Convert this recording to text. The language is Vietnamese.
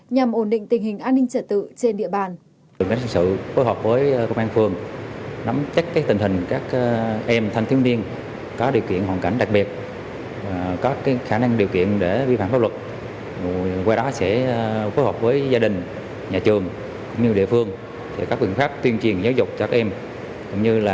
nhằm ổn định tình hình an ninh trở tự trên địa bàn